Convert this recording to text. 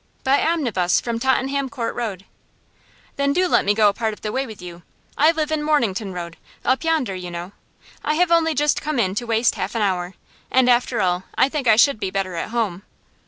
'By omnibus from Tottenham Court Road.' 'Then do let me go a part of the way with you. I live in Mornington Road up yonder, you know. I have only just come in to waste half an hour, and after all I think I should be better at home.